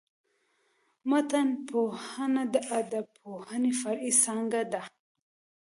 متنپوهنه د ادبپوهني فرعي څانګه ده.